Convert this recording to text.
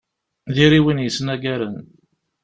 Diri win yesnagaren.